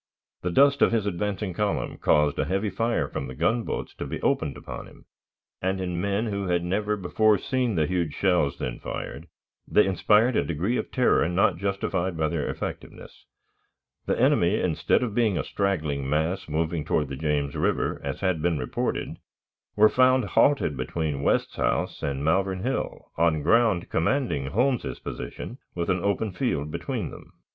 The dust of his advancing column caused a heavy fire from the gunboats to be opened upon him, and, in men who had never before seen the huge shells then fired, they inspired a degree of terror not justified by their effectiveness. The enemy, instead of being a straggling mass moving toward the James River, as had been reported, were found halted between West's house and Malvern Hill on ground commanding Holmes's position, with an open field between them.